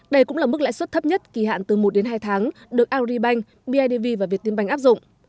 đây cũng là mức lãi suất thấp nhất kỳ hạn từ một đến hai tháng được agribank bidv và việt tiên banh áp dụng